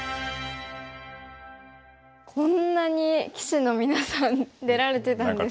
こんなに棋士のみなさん出られてたんですね。